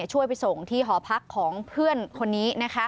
ช่วยไปส่งที่หอพักของเพื่อนคนนี้